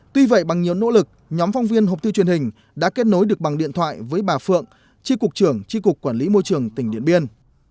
tuy vậy bằng nhiều nỗ lực nhóm phóng viên hộp thư truyền hình đã kết nối được bằng điện thoại với bà phượng tri cục trưởng tri cục quản lý môi trường tỉnh điện biên